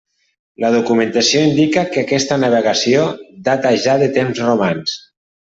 La documentació indica que aquesta navegació data ja de temps romans.